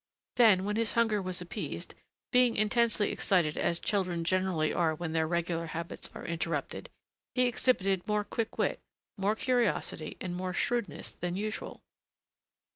Then, when his hunger was appeased, being intensely excited as children generally are when their regular habits are interrupted, he exhibited more quick wit, more curiosity, and more shrewdness than usual.